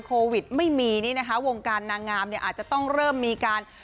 โควิดไม่มีนี่นะคะวงการนางงามเนี่ยอาจจะต้องเริ่มมีการ